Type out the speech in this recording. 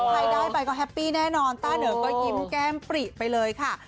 ใครได้ไปก็แฮปปี้แน่นอนต้าเดอก็ยิ้มแก้มปริไปเลยค่ะ